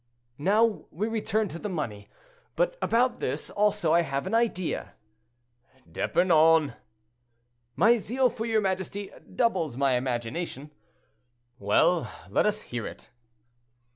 "Now we return to the money. But about this, also, I have an idea." "D'Epernon!" "My zeal for your majesty doubles my imagination." "Well, let us hear it."